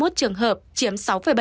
hai mươi một trường hợp chiếm sáu